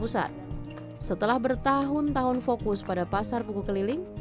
setelah bertahun tahun fokus pada pasar buku keliling